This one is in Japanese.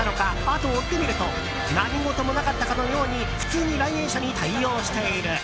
後を追ってみると何事もなかったように普通に来園者に対応している。